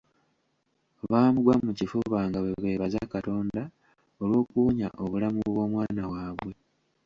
Baamugwa mu kifuba nga bwe beebaza Katonda olw'okuwonya obulamu bw'omwana waabwe.